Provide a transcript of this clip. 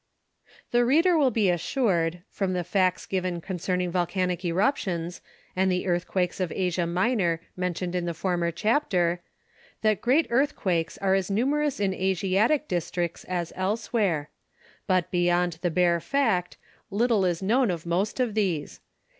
The reader will be assured, from the facts given concerning volcanic eruptions, and the earthquakes of Asia Minor mentioned in the former chapter, that great earthquakes are as numerous in Asiatic districts as elsewhere; but beyond the bare fact, little is known of most of these.